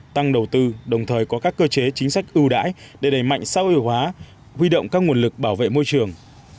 tăng đầu tư đồng thời có các cơ chế chính sách ưu đãi để đẩy mạnh xã hội hóa huy động các nguồn lực bảo vệ môi trường